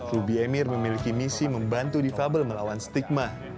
ruby emir memiliki misi membantu difabel melawan stigma